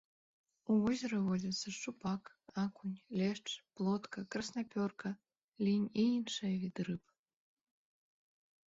У возеры водзяцца шчупак, акунь, лешч, плотка, краснапёрка, лінь і іншыя віды рыб.